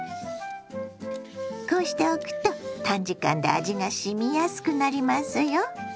こうしておくと短時間で味がしみやすくなりますよ。